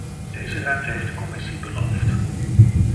Deze ruimte heeft de commissie beloofd.